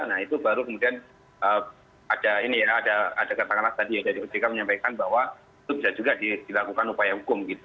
nah itu baru kemudian ada ini ya ada katakanlah tadi ya dari ojk menyampaikan bahwa itu bisa juga dilakukan upaya hukum gitu